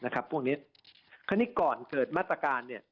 นะครับพวกนี้เพราะนี่ก่อนเกิดมาตรการเนี่ย